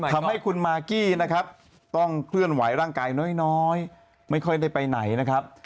ทำให้คุณมากกี้นะครับต้องเคลื่อนไหวร่างกายน้อยไม่ค่อยได้ไปไหนนะครับ